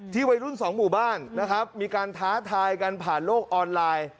วัยรุ่นสองหมู่บ้านนะครับมีการท้าทายกันผ่านโลกออนไลน์